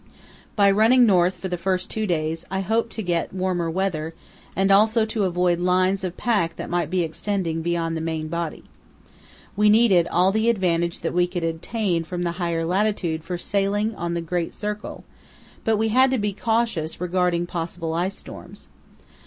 By running north for the first two days I hoped to get warmer weather and also to avoid lines of pack that might be extending beyond the main body. We needed all the advantage that we could obtain from the higher latitude for sailing on the great circle, but we had to be cautious regarding possible ice streams.